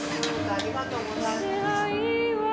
ありがとうございます。